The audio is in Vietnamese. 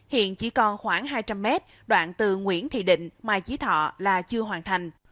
hiện chỉ còn khoảng hai trăm linh m đoạn từ nguyễn thị định mai chí thọ là chưa hoàn thành